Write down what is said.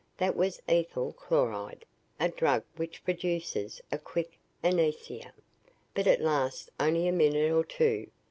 That was ethyl chloride, a drug which produces a quick anesthesia. But it lasts only a minute or two.